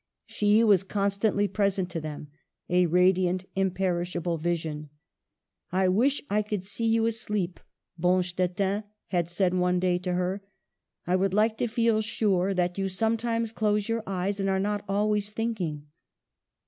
She was constantly present to them, a radiant, imperishable vision. " I wish I could see you asleep," Bonstetten had said one day to her. " I would like to feel sure that you sometimes close your eyes, and are not always thinking."